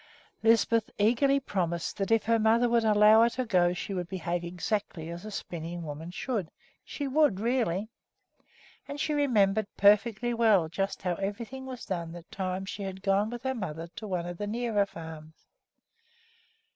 Lisbeth eagerly promised that if her mother would allow her to go she would behave exactly as a spinning woman should, she would, really! And she remembered perfectly well just how everything was done that time she had gone with her mother to one of the nearer farms.